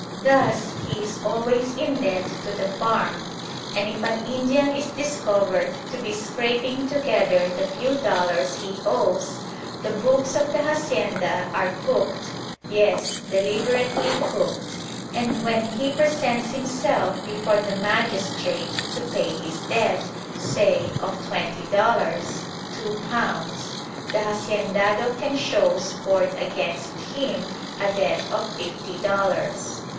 Thus he is always in debt to the farm; and if an Indian is discovered to be scraping together the few dollars he owes, the books of the hacienda are "cooked," yes, deliberately "cooked," and when he presents himself before the magistrate to pay his debt, say, of twenty dollars (£2) the haciendado can show scored against him a debt of fifty dollars.